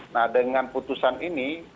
nah dengan putusan ini